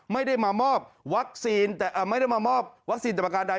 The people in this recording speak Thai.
ไม่ได้มามอบวัคซีนแต่ประการใด